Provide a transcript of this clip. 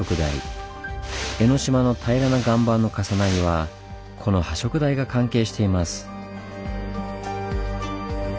江の島の平らな岩盤の重なりはこの波食台が関係しています。